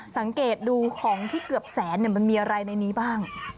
สังเกตดูของที่เกือบแสนมันมีอะไรในนี้บ้าง